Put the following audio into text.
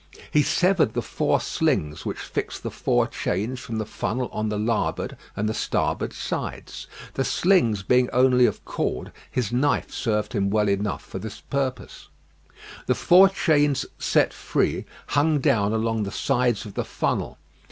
He severed the four slings which fixed the four chains from the funnel on the larboard and the starboard sides. The slings being only of cord, his knife served him well enough for this purpose. The four chains set free, hung down along the sides of the funnel.